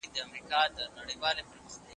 تاسو باید هره ورځ لږ تر لږه لس پاڼې ولولئ.